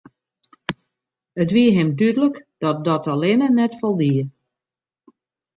It wie him dúdlik dat dat allinne net foldie.